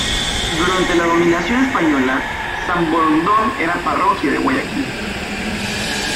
Durante la dominación española Samborondón era parroquia de Guayaquil.